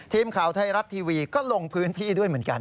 ทีมข่าวไทยรัฐทีวีก็ลงพื้นที่ด้วยเหมือนกัน